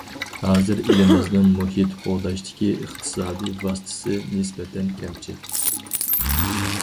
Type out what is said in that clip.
ھازىر ئېلىمىزنىڭ مۇھىت قوغداشتىكى ئىقتىسادىي ۋاسىتىسى نىسبەتەن كەمچىل.